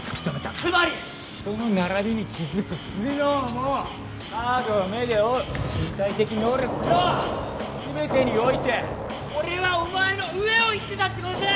つまりその並びに気付く頭脳もカードを目で追う身体的能力も全てにおいて俺はお前の上をいってたってことだ。